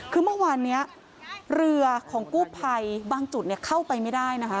คือเมื่อวานนี้เรือของกู้ภัยบางจุดเข้าไปไม่ได้นะคะ